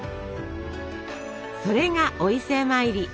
それが「お伊勢参り」。